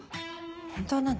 本当なの？